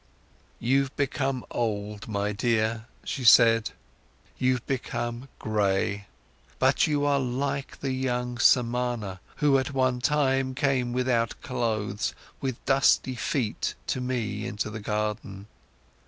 "You've become old, my dear," she said, "you've become gray. But you are like the young Samana, who at one time came without clothes, with dusty feet, to me into the garden.